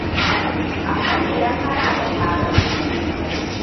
amman idan ka na da tarin